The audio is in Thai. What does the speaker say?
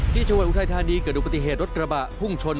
ที่ชวนอุทัยธานีเกิดดูปฏิเหตุรถกระบะพุ่งชน